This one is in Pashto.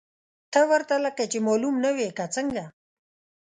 ته ورته لکه چې معلوم نه وې، که څنګه!؟